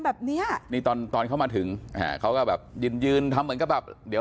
แบบเนี้ยนี่ตอนตอนเขามาถึงอ่าเขาก็แบบยืนยืนทำเหมือนกับแบบเดี๋ยว